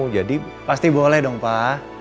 jadi pasti boleh dong pak